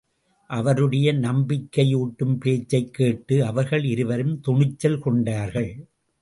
அவருடைய நம்பிக்கையூட்டும் பேச்சைக் கேட்டு அவர்கள் இருவரும் துணிச்சல் கொண்டார்கள்.